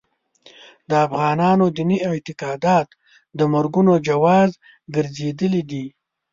د افغانانو دیني اعتقادات د مرګونو جواز ګرځېدلي دي.